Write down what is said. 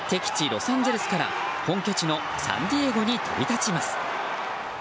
ロサンゼルスから本拠地のサンディエゴに飛び立ちます。